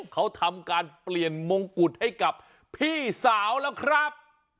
เขาทำการเปลี่ยนมงกุฎให้กับพี่สาวแล้วครับ